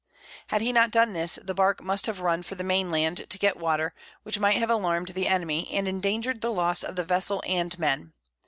Had he not done this, the Bark must have run for the Main Land to get Water, which might have alarm'd the Enemy, and endanger'd the Loss of the Vessel and Men.